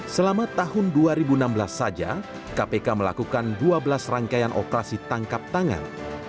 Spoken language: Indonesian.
selama tahun dua ribu enam belas saja kpk melakukan dua belas rangkaian operasi tangkap tangan